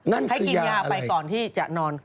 นั่นคือยาอะไรให้กินยาไปก่อนที่จะนอน